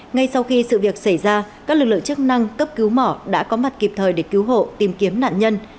ngay sau khi sự việc xảy ra các lực lượng chức năng cấp cứu mỏ đã có mặt kịp thời để cứu hộ tìm kiếm nạn nhân